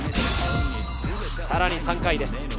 さらに３回です。